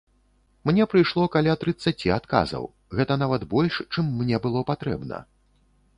Мне прыйшло каля трыццаці адказаў, гэта нават больш, чым мне было патрэбна.